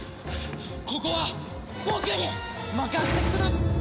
ここは僕に任せてくだ。